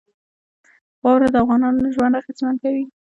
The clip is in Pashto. واوره د افغانانو ژوند اغېزمن کوي.